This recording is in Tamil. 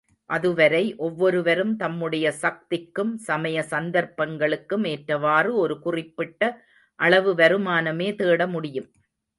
அதுவரை ஒவ்வொருவரும் தம்முடைய சக்திக்கும் சமய சந்தர்ப்பங்களுக்கும் ஏற்றவாறு ஒரு குறிப்பிட்ட அளவு வருமானமே தேட முடியும்.